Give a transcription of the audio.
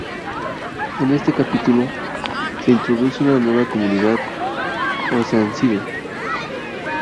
En este capítulo, se introduce una nueva comunidad: "Oceanside".